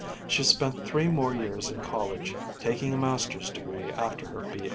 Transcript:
She spent three more years in college, taking a Master's degree after her B.